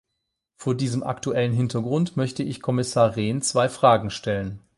Vor diesem aktuellen Hintergrund möchte ich Kommissar Rehn zwei Fragen stellen.